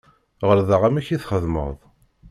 Ɣelḍeɣ amek i txedmeɣ.